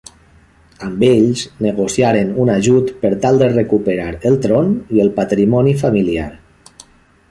Amb ells negociaren un ajut per tal de recuperar el tron i el patrimoni familiar.